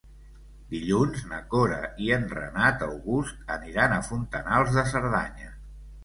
Dilluns na Cora i en Renat August aniran a Fontanals de Cerdanya.